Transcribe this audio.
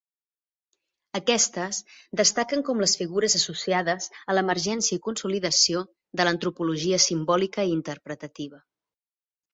Aquestes destaquen com les figures associades a l'emergència i consolidació de l'antropologia simbòlica i interpretativa.